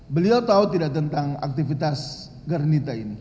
beliau tahu tidak tentang aktivitas gernita ini